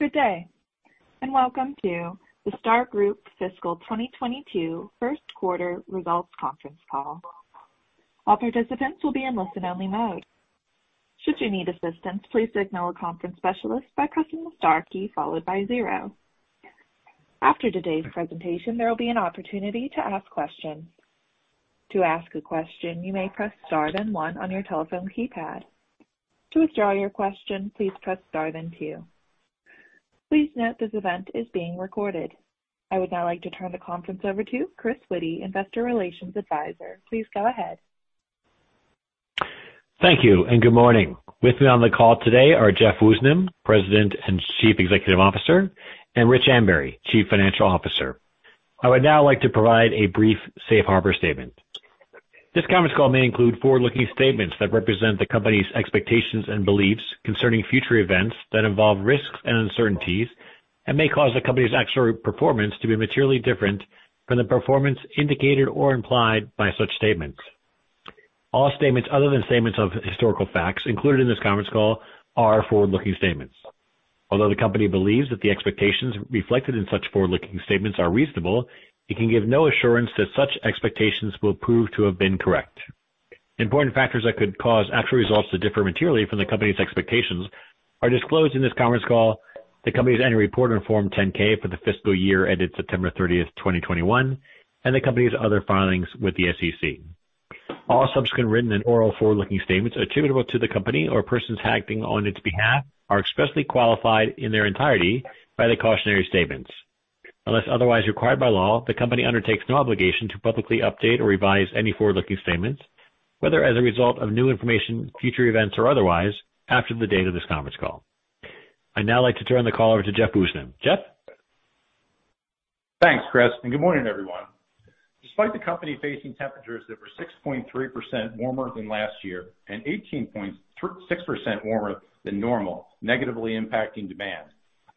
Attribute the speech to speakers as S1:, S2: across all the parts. S1: Good day, and welcome to the Star Group Fiscal 2022 first quarter results conference call. All participants will be in listen-only mode. Should you need assistance, please signal a conference specialist by pressing the star key followed by zero. After today's presentation, there will be an opportunity to ask questions. To ask a question, you may press star then one on your telephone keypad. To withdraw your question, please press star then two. Please note this event is being recorded. I would now like to turn the conference over to Chris Witty, Investor Relations advisor. Please go ahead.
S2: Thank you and good morning. With me on the call today are Jeff Woosnam, President and Chief Executive Officer, and Rich Ambury, Chief Financial Officer. I would now like to provide a brief safe harbor statement. This conference call may include forward-looking statements that represent the company's expectations and beliefs concerning future events that involve risks and uncertainties and may cause the company's actual performance to be materially different from the performance indicated or implied by such statements. All statements other than statements of historical facts included in this conference call are forward-looking statements. Although the company believes that the expectations reflected in such forward-looking statements are reasonable, it can give no assurance that such expectations will prove to have been correct. Important factors that could cause actual results to differ materially from the company's expectations are disclosed in this conference call, the company's annual report on Form 10-K for the fiscal year ended September 30th, 2021, and the company's other filings with the SEC. All subsequent written and oral forward-looking statements attributable to the company or persons acting on its behalf are expressly qualified in their entirety by the cautionary statements. Unless otherwise required by law, the company undertakes no obligation to publicly update or revise any forward-looking statements, whether as a result of new information, future events or otherwise after the date of this conference call. I'd now like to turn the call over to Jeff Woosnam. Jeff?
S3: Thanks, Chris, and good morning, everyone. Despite the company facing temperatures that were 6.3% warmer than last year and 18.6% warmer than normal, negatively impacting demand,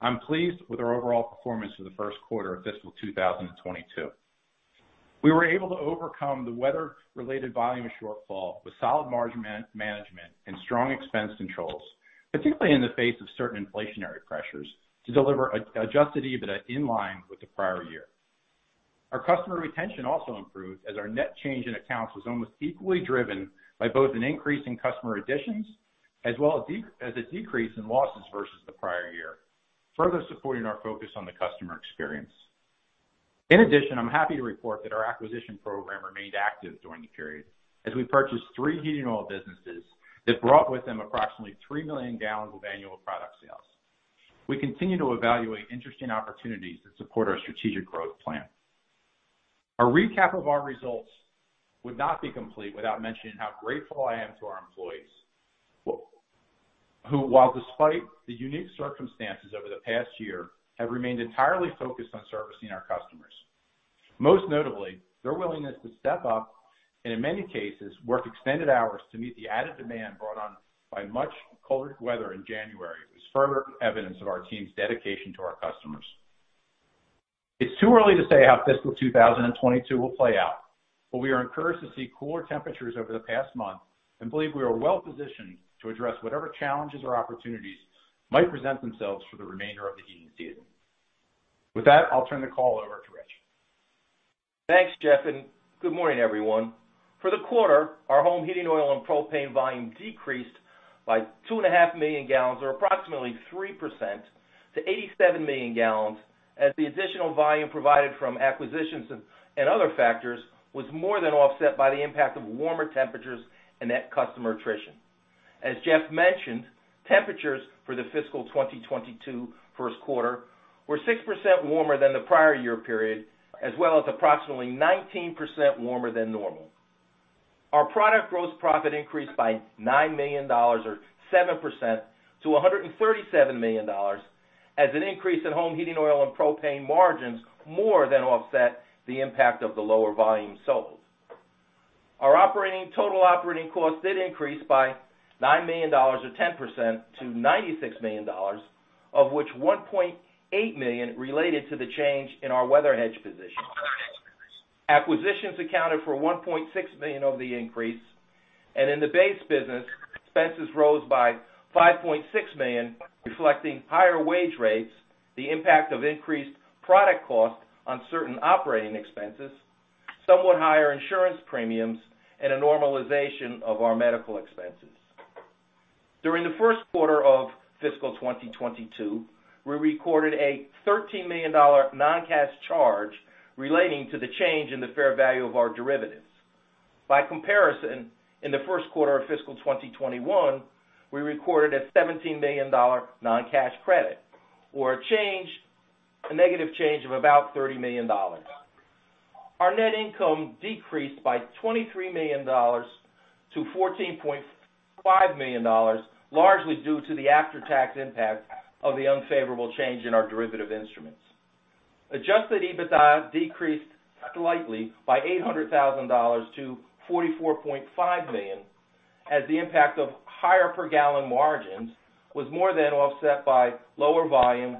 S3: I'm pleased with our overall performance for the first quarter of fiscal 2022. We were able to overcome the weather-related volume shortfall with solid margin management and strong expense controls, particularly in the face of certain inflationary pressures, to deliver a adjusted EBITDA in line with the prior year. Our customer retention also improved as our net change in accounts was almost equally driven by both an increase in customer additions as well as a decrease in losses versus the prior year, further supporting our focus on the customer experience. In addition, I'm happy to report that our acquisition program remained active during the period as we purchased three heating oil businesses that brought with them approximately 3 million gallons of annual product sales. We continue to evaluate interesting opportunities that support our strategic growth plan. A recap of our results would not be complete without mentioning how grateful I am to our employees who, despite the unique circumstances over the past year, have remained entirely focused on servicing our customers. Most notably, their willingness to step up and in many cases, work extended hours to meet the added demand brought on by much colder weather in January, was further evidence of our team's dedication to our customers. It's too early to say how fiscal 2022 will play out, but we are encouraged to see cooler temperatures over the past month and believe we are well positioned to address whatever challenges or opportunities might present themselves for the remainder of the heating season. With that, I'll turn the call over to Rich.
S4: Thanks, Jeff, and good morning, everyone. For the quarter, our home heating oil and propane volume decreased by 2.5 million gallons or approximately 3% to 87 million gallons, as the additional volume provided from acquisitions and other factors was more than offset by the impact of warmer temperatures and net customer attrition. As Jeff mentioned, temperatures for the fiscal 2022 first quarter were 6% warmer than the prior year period, as well as approximately 19% warmer than normal. Our product gross profit increased by $9 million or 7% to $137 million as an increase in home heating oil and propane margins more than offset the impact of the lower volume sold. Our total operating costs did increase by $9 million or 10% to $96 million, of which $1.8 million related to the change in our weather hedge position. Acquisitions accounted for $1.6 million of the increase, and in the base business, expenses rose by $5.6 million, reflecting higher wage rates, the impact of increased product cost on certain operating expenses, somewhat higher insurance premiums, and a normalization of our medical expenses. During the first quarter of fiscal 2022, we recorded a $13 million non-cash charge relating to the change in the fair value of our derivatives. By comparison, in the first quarter of fiscal 2021, we recorded a $17 million non-cash credit or a change, a negative change of about $30 million. Our net income decreased by $23 million to $14.5 million, largely due to the after-tax impact of the unfavorable change in our derivative instruments. Adjusted EBITDA decreased slightly by $800,000 to $44.5 million, as the impact of higher per gallon margins was more than offset by lower volume,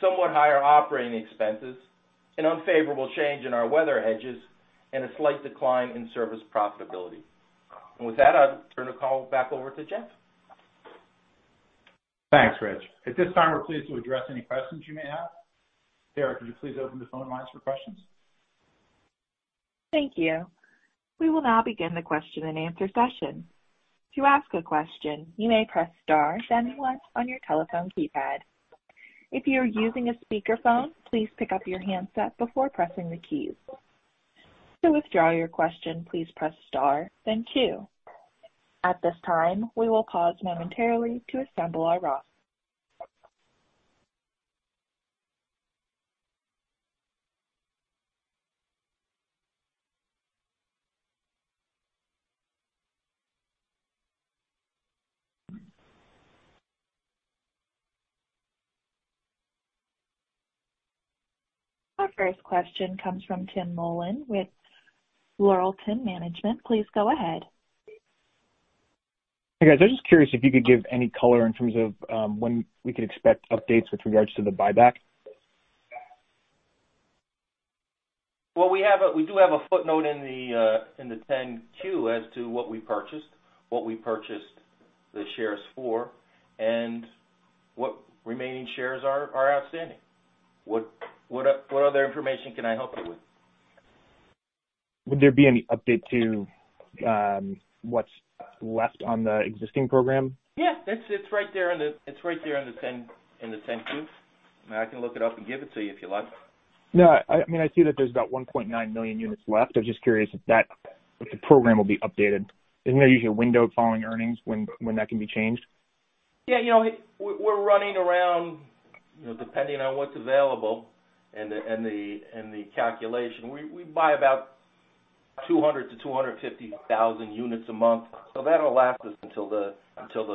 S4: somewhat higher operating expenses, an unfavorable change in our weather hedges, and a slight decline in service profitability. With that, I'll turn the call back over to Jeff.
S3: Thanks, Rich. At this time, we're pleased to address any questions you may have. Tara, could you please open the phone lines for questions?
S1: Thank you. We will now begin the question and answer session. To ask a question, you may press star then one on your telephone keypad. If you are using a speakerphone, please pick up your handset before pressing the keys. To withdraw your question, please press star then two. At this time, we will pause momentarily to assemble our roster. Our first question comes from Tim Mullen with Laurelton Management. Please go ahead.
S5: Hey, guys. I'm just curious if you could give any color in terms of when we could expect updates with regards to the buyback?
S4: Well, we do have a footnote in the Form 10-Q as to what we purchased the shares for, and what remaining shares are outstanding. What other information can I help you with?
S5: Would there be any update to what's left on the existing program?
S4: Yeah, it's right there in the Form 10-Q. I can look it up and give it to you if you like.
S5: No, I mean, I see that there's about 1.9 million units left. I'm just curious if the program will be updated. Isn't there usually a window following earnings when that can be changed?
S4: Yeah. You know, we're running around, you know, depending on what's available and the calculation, we buy about 200,000-250,000 units a month. So that'll last us until the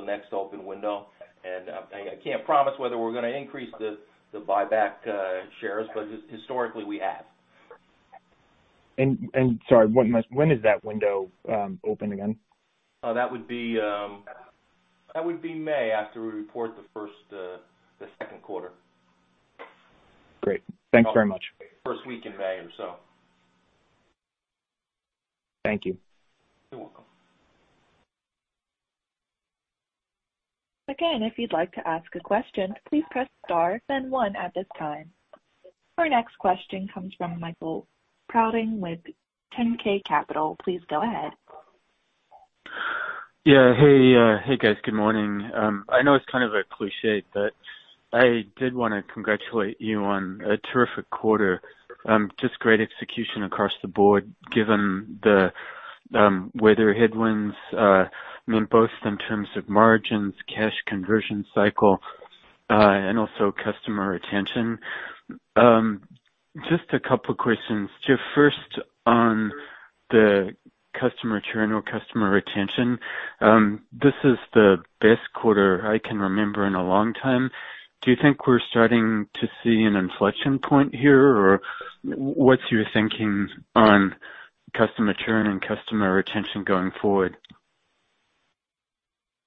S4: next open window. I can't promise whether we're gonna increase the buyback shares, but historically we have.
S5: Sorry, when is that window open again?
S4: That would be May after we report the second quarter.
S5: Great. Thanks very much.
S4: First week in May or so.
S5: Thank you.
S4: You're welcome.
S1: Again, if you'd like to ask a question, please press star then one at this time. Our next question comes from Michael Prouting with 10K Capital. Please go ahead.
S6: Yeah. Hey, hey, guys. Good morning. I know it's kind of a cliché, but I did wanna congratulate you on a terrific quarter. Just great execution across the board, given the weather headwinds, I mean, both in terms of margins, cash conversion cycle, and also customer retention. Just a couple of questions. Jeff, first on the customer churn or customer retention, this is the best quarter I can remember in a long time. Do you think we're starting to see an inflection point here? Or what's your thinking on customer churn and customer retention going forward?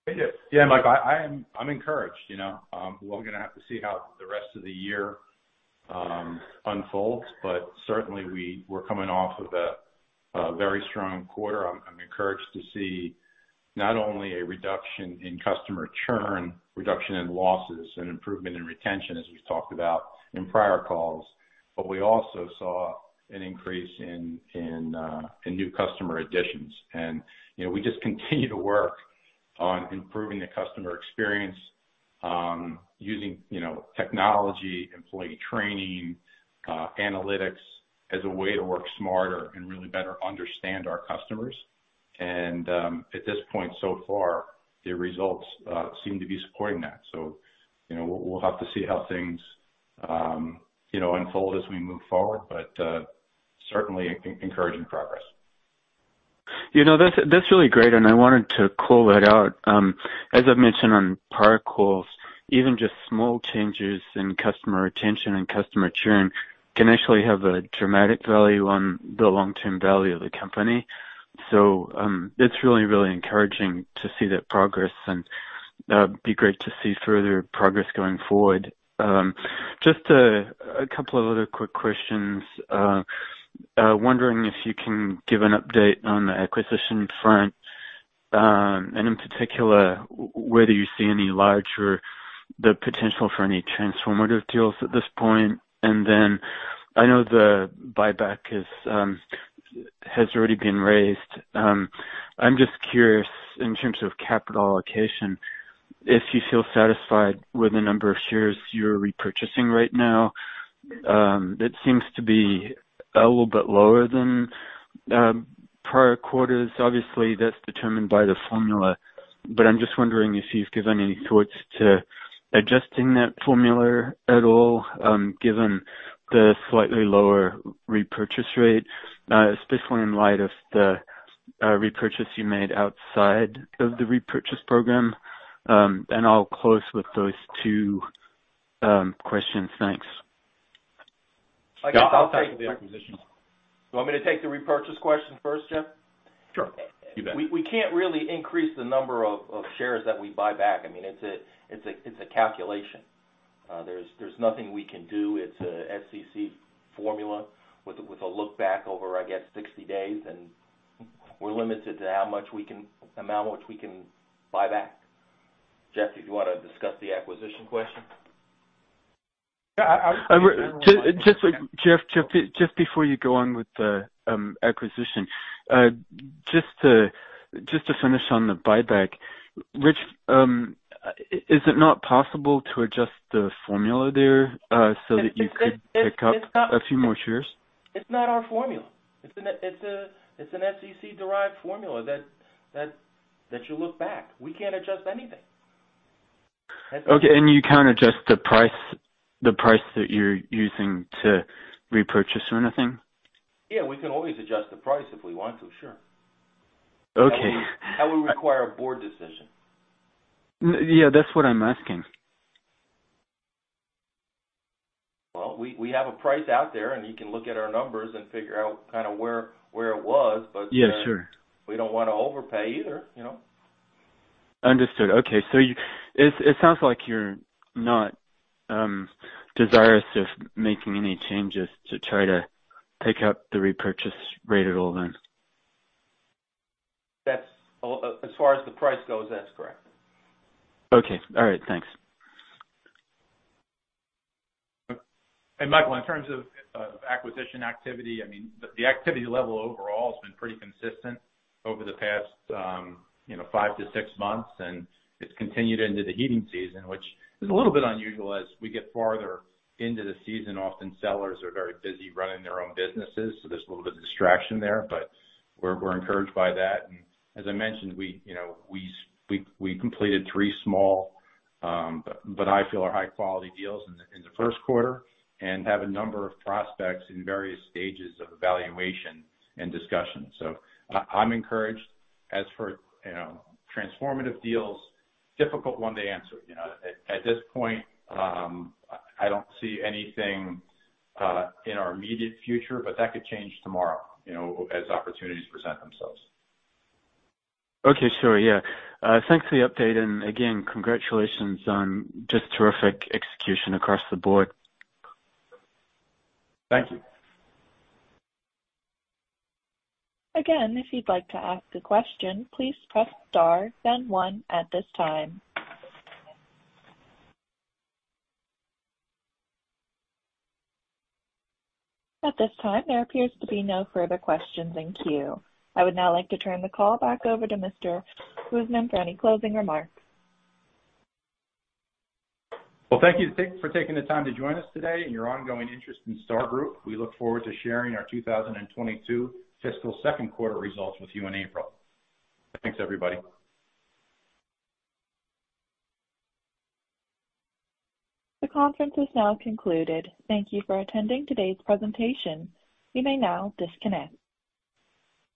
S3: Yeah. Yeah, Mike, I'm encouraged, you know. We're gonna have to see how the rest of the year unfolds, but certainly we're coming off of a very strong quarter. I'm encouraged to see not only a reduction in customer churn, reduction in losses, and improvement in retention, as we've talked about in prior calls, but we also saw an increase in new customer additions. You know, we just continue to work on improving the customer experience, using, you know, technology, employee training, analytics as a way to work smarter and really better understand our customers. At this point so far, the results seem to be supporting that. You know, we'll have to see how things unfold as we move forward, but certainly encouraging progress.
S6: You know, that's really great, and I wanted to call that out. As I've mentioned on prior calls, even just small changes in customer retention and customer churn can actually have a dramatic value on the long-term value of the company. It's really, really encouraging to see that progress and be great to see further progress going forward. Just a couple of other quick questions. Wondering if you can give an update on the acquisition front, and in particular, whether you see the potential for any transformative deals at this point. I know the buyback has already been raised. I'm just curious, in terms of capital allocation, if you feel satisfied with the number of shares you're repurchasing right now. That seems to be a little bit lower than prior quarters. Obviously, that's determined by the formula, but I'm just wondering if you've given any thoughts to adjusting that formula at all, given the slightly lower repurchase rate, especially in light of the repurchase you made outside of the repurchase program. I'll close with those two questions. Thanks.
S4: I guess I'll take the acquisition. You want me to take the repurchase question first, Jeff?
S3: Sure. You bet.
S4: We can't really increase the number of shares that we buy back. I mean, it's a calculation. There's nothing we can do. It's a SEC formula with a look back over, I guess, 60 days, and we're limited to how much we can buy back. Jeff, do you wanna discuss the acquisition question?
S3: Yeah, I-
S6: Just wait. Jeff, just before you go on with the acquisition, just to finish on the buyback. Rich, is it not possible to adjust the formula there, so that you could pick up a few more shares?
S4: It's not our formula. It's an SEC-derived formula that you look back. We can't adjust anything.
S6: Okay. You can't adjust the price, the price that you're using to repurchase or anything?
S4: Yeah, we can always adjust the price if we want to, sure.
S6: Okay.
S4: That would require a board decision.
S6: Yeah, that's what I'm asking.
S4: Well, we have a price out there, and you can look at our numbers and figure out kinda where it was, but.-
S6: Yeah, sure.
S4: We don't wanna overpay either, you know.
S6: Understood. Okay. It sounds like you're not desirous of making any changes to try to pick up the repurchase rate at all then?
S4: That's. As far as the price goes, that's correct.
S6: Okay. All right. Thanks.
S3: Michael, in terms of acquisition activity, I mean, the activity level overall has been pretty consistent over the past, you know, five to six months, and it's continued into the heating season, which is a little bit unusual as we get farther into the season. Often sellers are very busy running their own businesses, so there's a little bit of distraction there, but we're encouraged by that. As I mentioned, you know, we completed three small, but I feel are high quality deals in the first quarter and have a number of prospects in various stages of evaluation and discussion. I'm encouraged. As for, you know, transformative deals, difficult one to answer. You know, at this point, I don't see anything in our immediate future, but that could change tomorrow, you know, as opportunities present themselves.
S6: Okay. Sure. Yeah. Thanks for the update. Again, congratulations on just terrific execution across the board.
S3: Thank you.
S1: Again, if you'd like to ask a question, please press star then one at this time. At this time, there appears to be no further questions in queue. I would now like to turn the call back over to Mr. Woosnam for any closing remarks.
S3: Well, thank you for taking the time to join us today and your ongoing interest in Star Group. We look forward to sharing our 2022 fiscal second quarter results with you in April. Thanks, everybody.
S1: The conference is now concluded. Thank you for attending today's presentation. You may now disconnect.